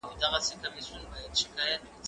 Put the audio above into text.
زه سفر کړی دی،